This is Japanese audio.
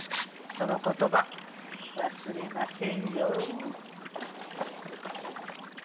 その言葉忘れませんよ。